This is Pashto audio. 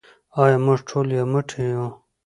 آیا موږ ټول یو موټی یو؟